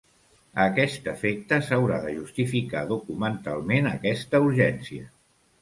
A aquest efecte s'haurà de justificar documentalment aquesta urgència.